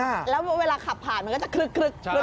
แล้วเวลาขับผ่านมันก็จะคลึก